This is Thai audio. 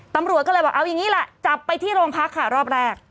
ตำรวจก็เลยบอกเอาอย่างนี้แหละจับไปที่โรงพักค่ะรอบแรก